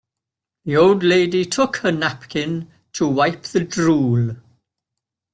The old lady took her napkin to wipe the drool.